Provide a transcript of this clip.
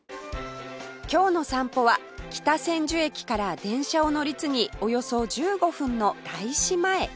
今日の散歩は北千住駅から電車を乗り継ぎおよそ１５分の大師前